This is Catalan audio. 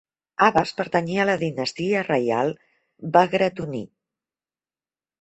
Abas pertanyia a la dinastia reial Bagratuní.